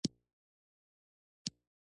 علامه حبیبي د تاریخ د تحریف پر ضد و.